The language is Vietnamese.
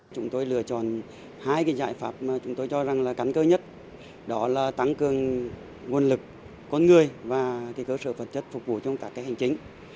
chúng tôi lựa chọn hai cái giải pháp mà chúng tôi cho rằng là cán cơ nhất đó là tăng cường nguồn lực con người và cái cơ sở phật chất phục vụ trong các cái hành chính